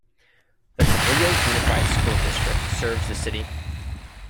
The Cabrillo Unified School District serves the city.